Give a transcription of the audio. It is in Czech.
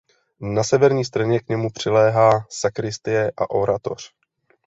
Na severní straně k němu přiléhá sakristie a oratoř.